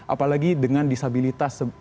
apalagi dengan disabilitas